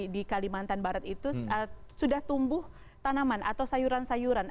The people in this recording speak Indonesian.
di kalimantan barat itu sudah tumbuh tanaman atau sayuran sayuran